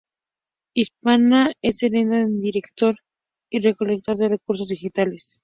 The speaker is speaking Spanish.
Hispana es heredera del Directorio y Recolector de Recursos Digitales.